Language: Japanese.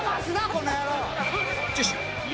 この野郎！